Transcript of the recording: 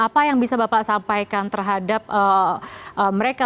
apa yang bisa bapak sampaikan terhadap mereka